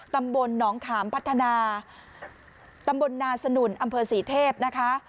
ตำบลหนองขามพัฒนาตำบลนาสนุนอำเภอศรีเทพนะคะ